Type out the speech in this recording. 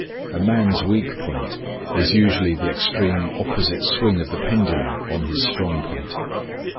A man's weak point is usually the extreme opposite swing of the pendulum on his strong point.